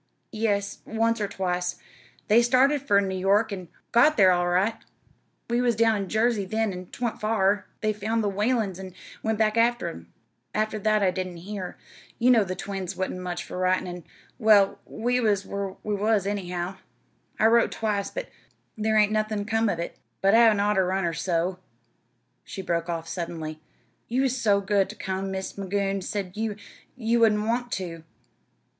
"Yes, once or twice. They started fur New York, an' got thar all right. We was down in Jersey then, an' 'twa'n't fur. They found the Whalens an' went back ter them. After that I didn't hear. You know the twins wa'n't much fur writin', an' well, we left whar we was, anyhow. I've wrote twice, but thar hain't nothin' come of it.... But I hadn't oughter run on so," she broke off suddenly. "You was so good ter come. Mis' Magoon said you you wouldn't want to."